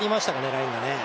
ラインがね。